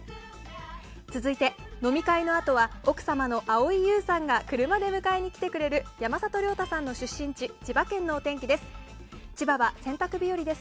続いて、飲み会のあとは奥様の蒼井優さんが車で迎えに来てくれる山里亮太さんの出身地千葉県のお天気です。